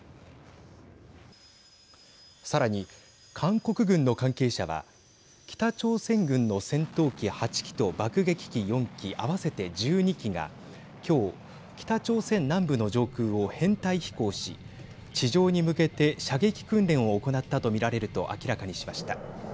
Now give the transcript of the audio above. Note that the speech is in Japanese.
さらに、韓国軍の関係者は北朝鮮軍の戦闘機８機と爆撃機４機合わせて１２機が今日、北朝鮮南部の上空を編隊飛行し地上に向けて、射撃訓練を行ったと見られると明らかにしました。